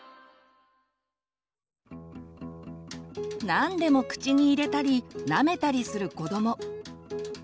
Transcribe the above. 何でも口に入れたりなめたりする子ども。